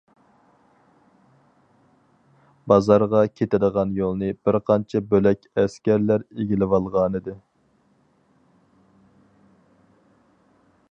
بازارغا كېتىدىغان يولنى بىرقانچە بۆلەك ئەسكەرلەر ئىگىلىۋالغانىدى.